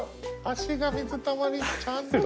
足が水たまりにちゃんと。